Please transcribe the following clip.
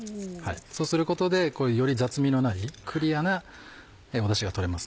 そうすることでより雑味のないクリアなダシが取れます。